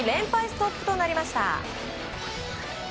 ストップとなりました。